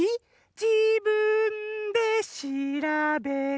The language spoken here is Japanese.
「じぶんでしらべて」